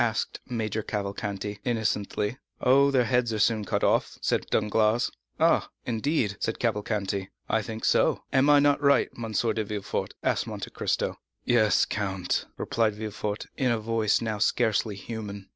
asked Major Cavalcanti innocently. "Oh, their heads are soon cut off," said Danglars. "Ah, indeed?" said Cavalcanti. "I think so; am I not right, M. de Villefort?" asked Monte Cristo. "Yes, count," replied Villefort, in a voice now scarcely human.